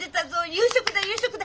夕食だ夕食だ！